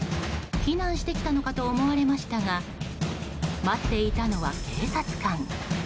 避難してきたのかと思われましたが待っていたのは警察官。